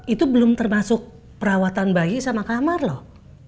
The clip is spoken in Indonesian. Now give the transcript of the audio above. itu belum termasuk perawatan bayi sama kamar loh